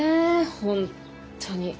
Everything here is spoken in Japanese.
本当に。